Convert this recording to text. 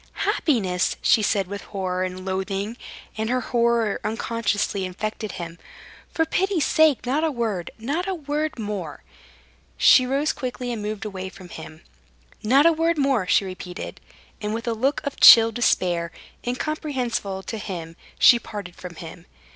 "Happiness!" she said with horror and loathing and her horror unconsciously infected him. "For pity's sake, not a word, not a word more." She rose quickly and moved away from him. "Not a word more," she repeated, and with a look of chill despair, incomprehensible to him, she parted from him.